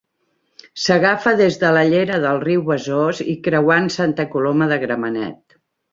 S'agafa des de la llera del riu Besòs i creuant Santa Coloma de Gramenet.